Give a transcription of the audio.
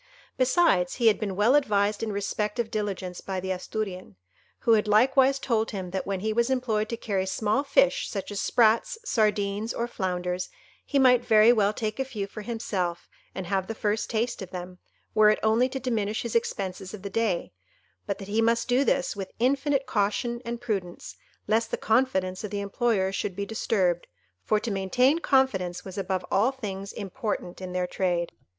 Besides, he had been well advised in respect of diligence by the Asturian, who had likewise told him that when he was employed to carry small fish, such as sprats, sardines, or flounders, he might very well take a few for himself and have the first taste of them, were it only to diminish his expenses of the day, but that he must do this with infinite caution and prudence, lest the confidence of the employers should be disturbed; for to maintain confidence was above all things important in their trade.